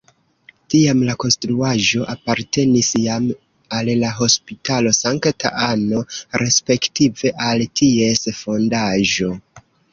Tiam la konstruaĵo apartenis jam al la Hospitalo Sankta Anno respektive al ties fondaĵo.